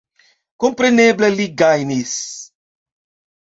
Kompreneble li gajnis.